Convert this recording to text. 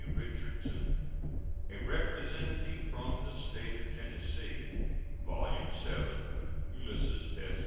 RICHARDSON A REPRESENTATIVE FROM THE STATE OF TENNESSEE VOLUME VII ULYSSES S.